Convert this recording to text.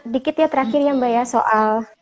dikit ya terakhir ya mbak ya soal